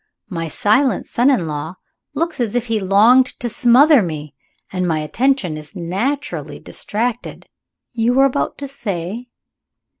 My silent son in law looks as if he longed to smother me, and my attention is naturally distracted. You were about to say